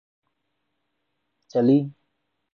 چلی